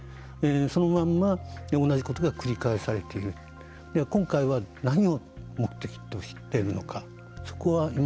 そのまんま同じことが繰り返されているでは今回は何を目的としているのか。